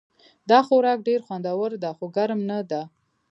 دا خوراک ډېر خوندور ده خو ګرم نه ده